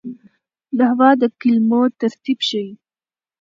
نحوه د کلمو ترتیب ښيي.